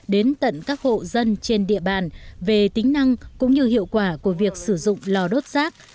đến tận các hộ dân trên địa bàn về tính năng cũng như hiệu quả của việc sử dụng lò đốt rác